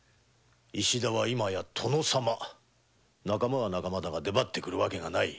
石田は今や殿様仲間は仲間だが出張ってくる訳がない。